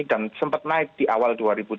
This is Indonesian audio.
dan sempat naik di awal dua ribu dua puluh